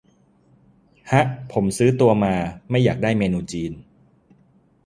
ฮะ ผมซื้อตัว มา ไม่อยากได้เมนูจีน